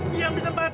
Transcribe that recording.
diam di tempat